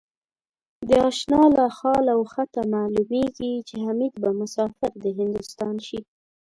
د آشناله خال و خطه معلومېږي ـ چې حمیدبه مسافر دهندوستان شي